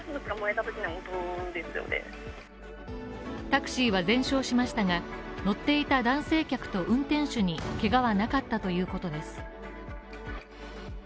タクシーは全焼しましたが、乗っていた男性客と運転手にけがはなかったということです。